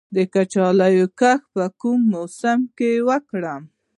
د کچالو کښت په کوم موسم کې وکړم؟